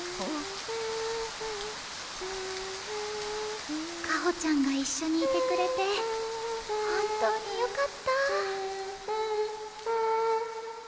心の声香穂ちゃんがいっしょにいてくれて本当によかった。